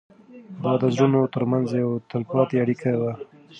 دا د زړونو تر منځ یوه تلپاتې اړیکه وه.